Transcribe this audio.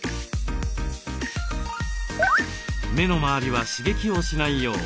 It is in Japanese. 目の周りは刺激をしないよう